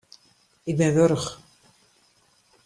Ik bin wurch.